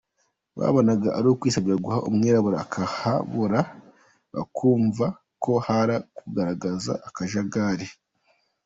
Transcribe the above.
Babonaga ari ukwisebya guha umwirabura akahabora, bakumva ko hari kugaragara akajagari.